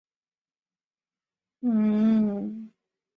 天津出租车是天津的一种城市交通方式。